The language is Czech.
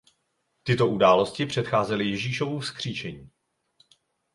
Tyto události předcházely Ježíšovu vzkříšení.